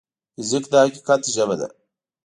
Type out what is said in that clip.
فزیک د حقیقت ژبه ده.